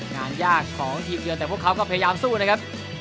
งานยากของทีมเยือนแต่พวกเขาก็พยายามสู้นะครับ